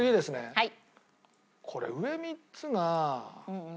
はい。